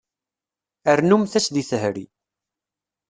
Rrnumt-as deg tehri.